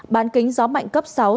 bán kính gió mạnh cấp sáu giật cấp chín